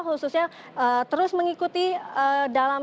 khususnya terus mengikuti dalam